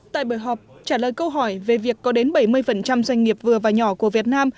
tại buổi họp trả lời câu hỏi về việc có đến bảy mươi doanh nghiệp vừa và nhỏ của việt nam